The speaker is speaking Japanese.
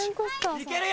行けるよ！